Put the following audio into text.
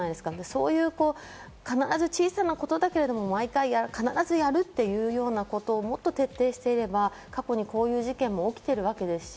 そういう、必ず小さなことだけど、毎回必ずやるっていうようなことをもっと徹底していれば、過去にこういう事件も起きているわけですし、